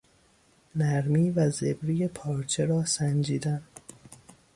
نرمی و زبری پارچه را سنجیدن